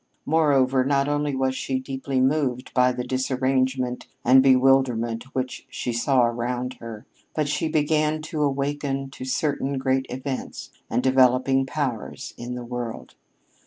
Moreover, not only was she deeply moved by the disarrangement and bewilderment which she saw around her, but she began to awaken to certain great events and developing powers in the world.